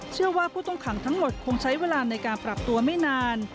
เชื่อว่าผู้ต้องขังทั้งหมดคงใช้เวลาในการปรับตัวไม่นาน